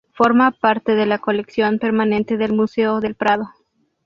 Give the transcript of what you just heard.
Forma parte de la colección permanente del Museo del Prado.